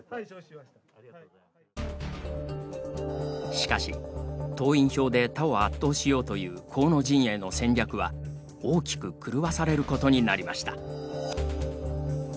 しかし、党員票で他を圧倒しようという河野陣営の戦略は大きく狂わされることになりました。